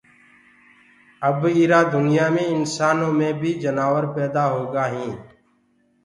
اب ايٚ را دُنيآ مي انسآنو مي بي جنآور پيدآ هوگآ هين